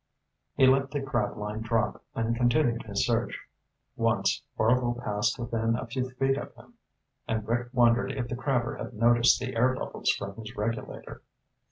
He let the crab line drop and continued his search. Once, Orvil passed within a few feet of him, and Rick wondered if the crabber had noticed the air bubbles from his regulator.